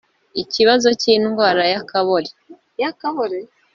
Ikibazo cy’indwara ya Kabore